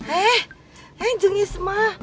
eh eh jung yisma